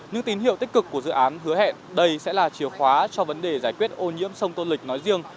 những tín hiệu tích cực của dự án hứa hẹn đây sẽ là chìa khóa cho vấn đề giải quyết ô nhiễm sông tô lịch nói riêng